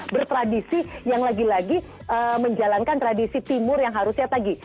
bertradisi yang lagi lagi menjalankan tradisi timur yang harusnya tadi